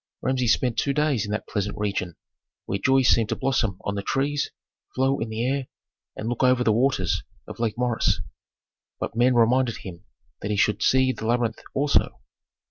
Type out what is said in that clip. Rameses spent two days in that pleasant region where joy seemed to blossom on the trees, flow in the air, and look over the waters of Lake Moeris. But men reminded him that he should see the labyrinth also.